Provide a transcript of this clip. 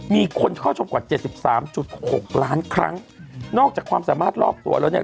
มีคนเข้าชมกว่า๗๓๖ล้านครั้งนอกจากความสามารถรอบตัวแล้วเนี่ย